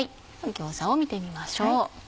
餃子を見てみましょう。